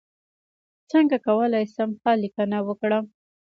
څنګه کولی شم ښه لیکنه وکړم